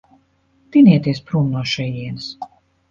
Tinieties prom no šejienes.